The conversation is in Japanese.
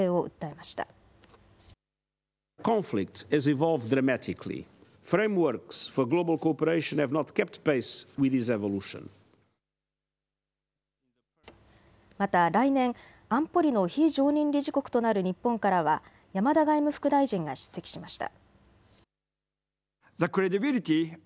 また来年、安保理の非常任理事国となる日本からは山田外務副大臣が出席しました。